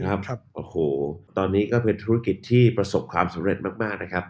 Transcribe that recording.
โอ้โหตอนนี้ก็เป็นธุรกิจที่ประสบความสำเร็จมากนะครับ